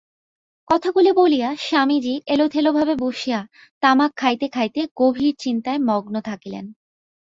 কথাগুলি বলিয়া স্বামীজী এলোথেলোভাবে বসিয়া তামাক খাইতে খাইতে গভীর চিন্তায় মগ্ন থাকিলেন।